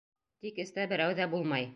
Тик эстә берәү ҙә булмай.